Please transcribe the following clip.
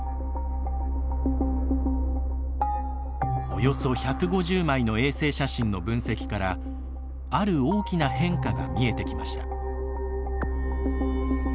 およそ１５０枚の衛星写真の分析からある大きな変化が見えてきました。